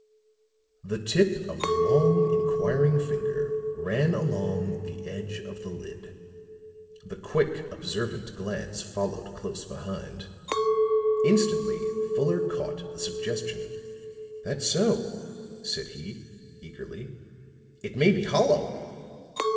The tip of the long inquiring finger ran along the edge of the lid; the quick, observant glance followed close behind. Instantly Fuller caught the suggestion. "That's so," said he, eagerly; "it may be hollow."